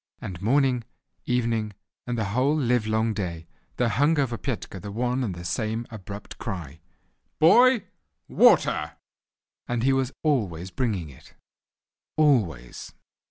And morning, evening, and the whole livelong day, there hung over Petka the one and the same abrupt cry, "Boy, water!" and he was always bringing it—always.